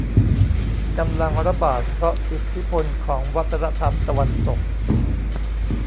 กำลังระบาดเพราะอิทธิพลของวัฒนธรรมตะวันตก